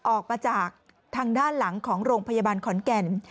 ออกมาจากทางด้านหลังของโรงพยาบาลขอนแก่น